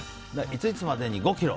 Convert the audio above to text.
いついつまでに５ｋｇとか。